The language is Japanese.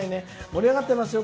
盛り上がってますよ